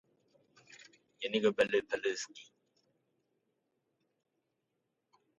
Динамический эллипсис независим.